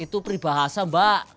itu pribahasa mbak